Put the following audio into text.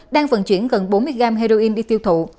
đang vận chuyển gần bốn mươi gram heroin đi tiêu thụ